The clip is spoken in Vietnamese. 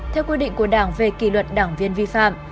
theo quy định của đảng về kỷ luật đảng viên vi phạm